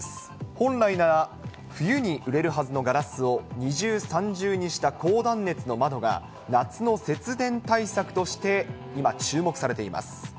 本来なら、冬に売れるはずのガラスを２重、３重にした高断熱の窓が、夏の節電対策として今、注目されています。